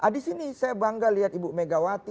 di sini saya bangga lihat ibu megawati